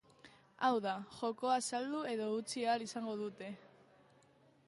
Hau da, jokoa saldu edo utzi ahal izango dute.